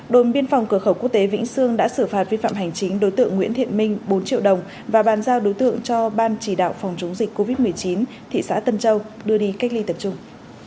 đồn biên phòng cửa khẩu quốc tế vĩnh sương đã xử phạt vi phạm hành chính đối tượng nguyễn thiện minh bốn triệu đồng và bàn giao đối tượng cho ban chỉ đạo phòng chống dịch covid một mươi chín thị xã tân châu đưa đi cách ly tập trung